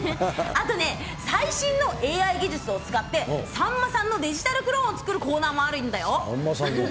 あとね、最新のＡＩ技術を使って、さんまさんのデジタルクローンを作るコーナーもあるんだよ。